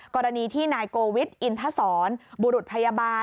กรณีที่นายโกวิทอินทศรบุรุษพยาบาล